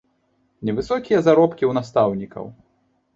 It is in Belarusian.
Невысокія заробкі ў настаўнікаў.